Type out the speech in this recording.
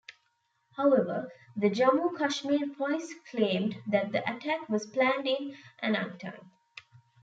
However, the Jammu Kashmir police claimed that the attack was planned in Anantnag.